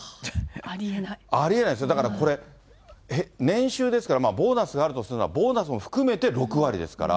ありえないですよ、だからこれ、年収ですからボーナスがあるとするならば、ボーナスも含めて、６割ですから。